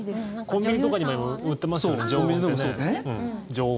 コンビニとかにも今、売ってますよ。